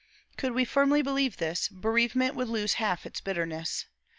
Could we firmly believe this, bereavement would lose half its bitterness.